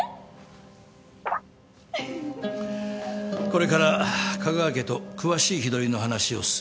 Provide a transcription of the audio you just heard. これから香川家と詳しい日取りの話を進める。